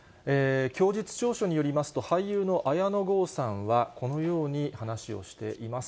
供述調書によりますと、俳優の綾野剛さんは、このように話をしています。